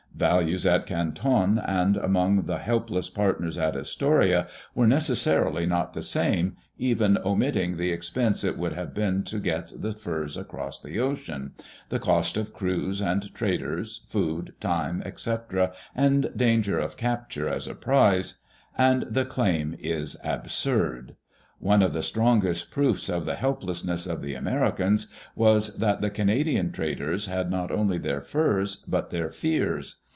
Values at Canton and among the helpless partners at Astoria, were necessarily not the same, even omitting the ex pense it would have been to get the furs across the ocean — ^the cost of crews and traders, food, time, etc., and danger of capture as a prize — and the claim is absurd. One of the strongest proofs of the helplessness of the Americans was that the Canadian traders had not only their furs, but their fears.